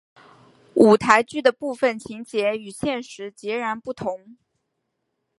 舞台剧的部分情节与现实截然不同。